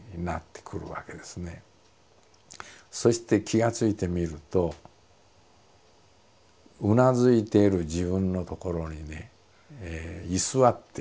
そして気が付いてみるとうなずいている自分のところにね居座っていつの間にかいるわけです。